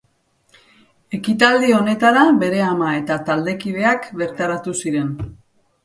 Ekitaldi honetara bere ama eta taldekideak bertaratu ziren.